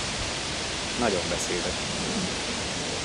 Nagyon beszédes.